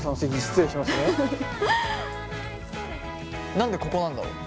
何でここなんだろう。